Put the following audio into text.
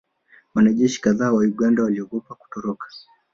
Wanajeshi kadhaa wa Uganda waliogopa na kutoroka